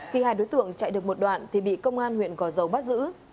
khi hai đối tượng chạy được một đoạn thì bị công an huyện gò dầu bắt giữ